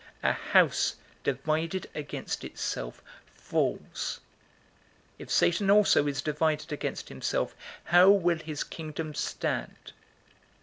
A house divided against itself falls. 011:018 If Satan also is divided against himself, how will his kingdom stand?